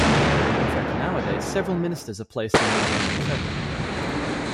In fact nowadays several ministers are placed in the rione Trevi.